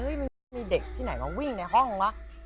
มันมีเด็กที่ไหนมาวิ่งในห้องวะ